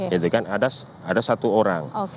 jadi kan ada satu orang